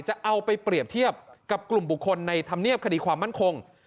จะเอาไปเปรียบเทียบกับกลุ่มบุคคลในธรรมเนียบคดีความมั่นคง